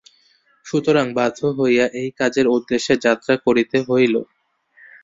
সুতরাং বাধ্য হইয়া এই কাজের উদ্দেশে যাত্রা করিতে হইল।